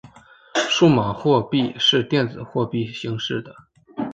数码货币是电子货币形式的。